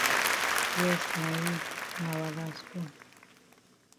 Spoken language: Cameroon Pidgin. Yes na yi, na wa las bon.